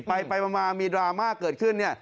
ไปมามีดราม่าเกิดขึ้นเนี่ย